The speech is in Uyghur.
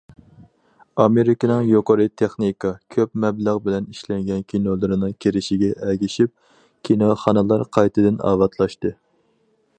ئامېرىكىنىڭ يۇقىرى تېخنىكا، كۆپ مەبلەغ بىلەن ئىشلەنگەن كىنولىرىنىڭ كىرىشىگە ئەگىشىپ، كىنوخانىلار قايتىدىن ئاۋاتلاشتى.